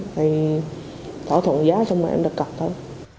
thì thỏa thuận giá xong rồi em đặt cặp thôi